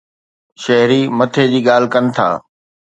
شهري مٿي جي ڳالهه ڪن ٿا.